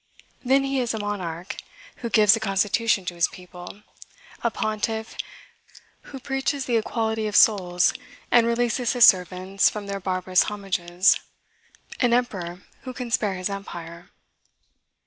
Then he is a monarch, who gives a constitution to his people; a pontiff, who preaches the equality of souls, and releases his servants from their barbarous homages; an emperor, who can spare his empire.